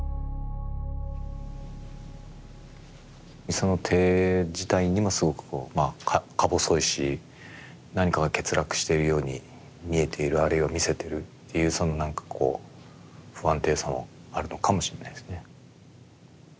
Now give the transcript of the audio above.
その手自体にもすごくまあかぼそいし何かが欠落しているように見えているあるいは見せてるっていうその何かこう不安定さもあるのかもしれないですね。